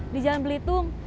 di jalan belitung